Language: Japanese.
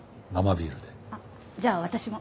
あっじゃあ私も。